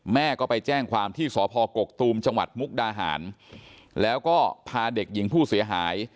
แม่ก็ไปแจ้งความที่สพกกตูมจังหวัดมุกดาหารแล้วก็พาเด็กหญิงผู้เสียหาย